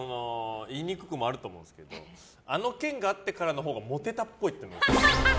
言いにくくもあると思うんですけどあの件があってからのほうがモテたっぽい。